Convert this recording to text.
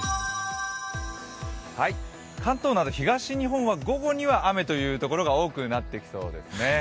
関東など東日本は午後には雨というところが多くなってきそうですね。